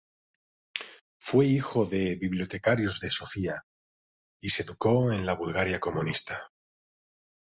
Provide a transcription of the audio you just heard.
Fue hijo de bibliotecarios de Sofía, y se educó en la Bulgaria comunista.